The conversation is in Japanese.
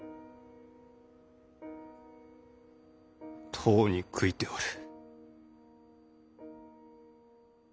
とうに悔いておる。